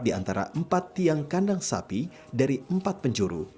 di antara empat tiang kandang sapi dari empat penjuru